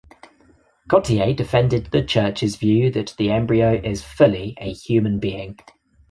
Cottier defended the Church's view that the embryo is fully a human being.